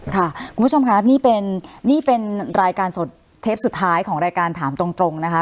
คุณผู้ชมค่ะนี่เป็นรายการสดเทปสุดท้ายของรายการถามตรงนะคะ